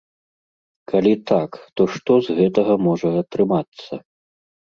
Калі так, то што з гэтага можа атрымацца?